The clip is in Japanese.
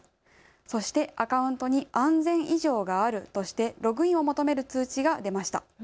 そしてアカウントに安全異常があるとしてログインを求める通知が出ました。